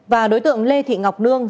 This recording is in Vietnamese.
và đối tượng lê thị ngọc nương